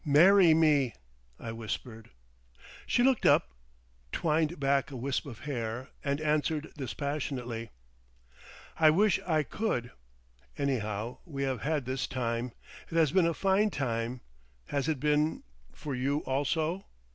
"Marry me!" I whispered. She looked up, twined back a whisp of hair, and answered dispassionately— "I wish I could. Anyhow, we have had this time. It has been a fine time—has it been—for you also?